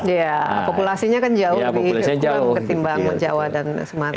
iya populasinya kan jauh lebih ketimbang jawa dan sumatera